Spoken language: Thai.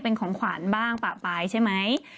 เป็นของขวานบ้างปะปลายใช่ไหม